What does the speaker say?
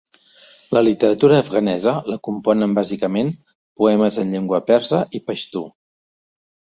La literatura afganesa la componen bàsicament poemes en llengua persa i paixtu.